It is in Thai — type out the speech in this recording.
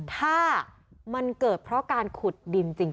ถ้ามันเกิดเพราะการขุดดินจริง